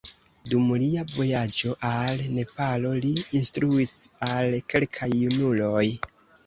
Dum lia vojaĝo al Nepalo, li instruis al kelkaj junuloj.